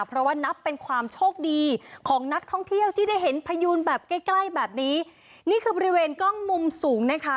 เพราะว่านับเป็นความโชคดีของนักท่องเที่ยวที่ได้เห็นพยูนแบบใกล้ใกล้แบบนี้นี่คือบริเวณกล้องมุมสูงนะคะ